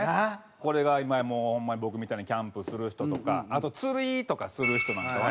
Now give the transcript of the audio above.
これが今やもうホンマに僕みたいにキャンプする人とかあと釣りとかする人なんかはね